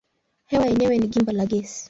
Hewa yenyewe ni gimba la gesi.